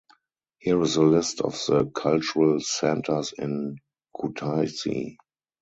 Here is a list of the cultural centers in Kutaisi.